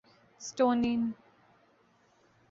Estonian